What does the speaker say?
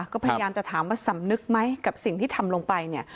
ก็พยายามจะถามว่าสำนึกไหมกับสิ่งที่ทำลงไปเนี่ย